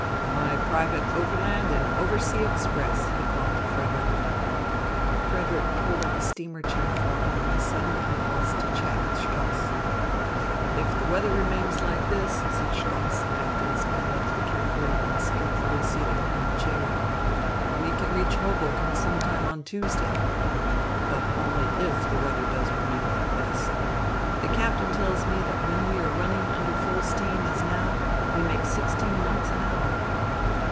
"My private overland and oversea express," he called to Frederick. Frederick pulled up a steamer chair for him in a sudden impulse to chat with Stoss. "If the weather remains like this," said Stoss, after his valet had carefully and skilfully seated him in the chair, "we can reach Hoboken some time on Tuesday. But only if the weather does remain like this. The captain tells me that when we are running under full steam, as now, we make sixteen knots an hour."